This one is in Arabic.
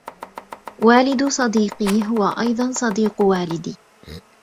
والد صديقي هو ايضاً صديق والدي.